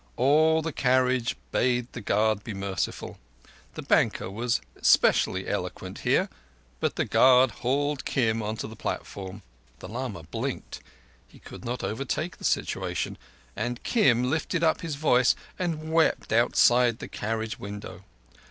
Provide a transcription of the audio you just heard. All the carriage bade the guard be merciful—the banker was specially eloquent here—but the guard hauled Kim on to the platform. The lama blinked—he could not overtake the situation and Kim lifted up his voice and wept outside the carriage window.